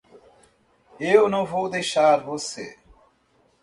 Eu não vou deixar você.